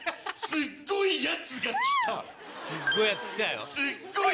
すっごいやつが来た。